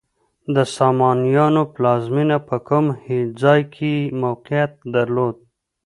د سامانیانو پلازمینه په کوم ځای کې موقعیت درلود؟